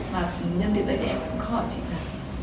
và nhân việc đấy em cũng khỏi chị là